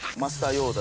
ヨーダ？